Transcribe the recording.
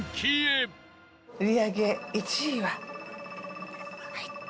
売り上げ１位ははい。